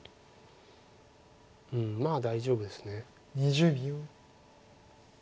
まあ大丈夫です。